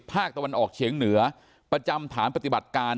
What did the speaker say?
ภาคตะวันออกเฉียงเหนือประจำฐานปฏิบัติการ